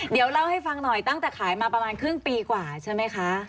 เดี๋ยวเล่าให้ฟังหน่อยตั้งแต่ขายมาประมาณครึ่งปีกว่าใช่ไหมคะ